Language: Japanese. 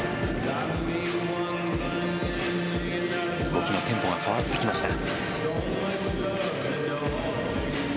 動きのテンポが変わってきました。